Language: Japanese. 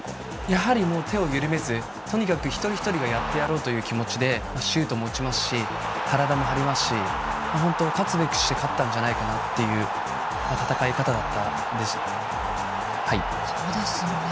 やはり、手を緩めずとにかく一人一人がやってやろうという気持ちでシュートも打ちますし体も張りますし本当勝つべくして勝ったんじゃないかなそうですよね。